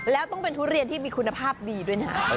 แล้วต้องเป็นทุเรียนที่มีคุณภาพดีด้วยนะ